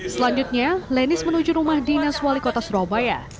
selanjutnya lenis menuju rumah dinas wali kota surabaya